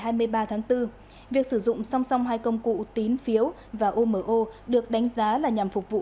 ngày hai mươi ba tháng bốn việc sử dụng song song hai công cụ tín phiếu và omo được đánh giá là nhằm phục vụ